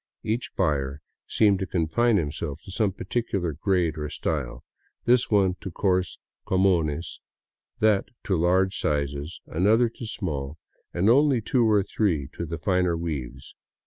Each buyer seemed to confine himself to some particular grade or style ; this one to coarse " comunes," that to large sizes, an other to small, and only two or three to the finer weaves.